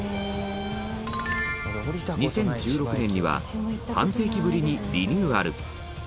２０１６年には半世紀ぶりにリニューアル